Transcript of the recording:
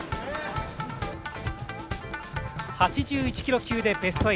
８１キロ級でベスト８。